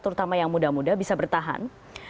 terutama yang muda muda bisa bertahan